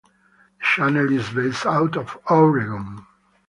The channel is based out of Oregon.